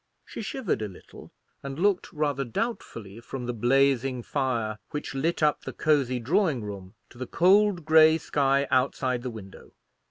She shivered a little, and looked rather doubtfully from the blazing fire which lit up the cozy drawing room to the cold grey sky outside the window.